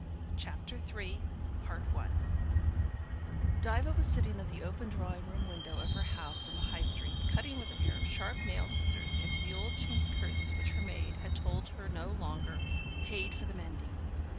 CHAPTER THREE Diva was sitting at the open drawing room window of her house in the High Street, cutting with a pair of sharp nail scissors into the old chintz curtains which her maid had told her no longer "paid for the mending".